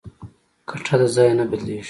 کټه د ځای نه بدلېږي.